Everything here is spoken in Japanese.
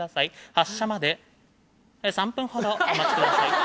発車まで３分ほどお待ちください。